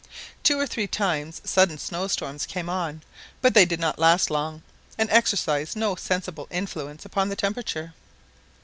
Two or three times sudden snowstorms came on; but they did not last long, and exercised no sensible influence upon the temperature.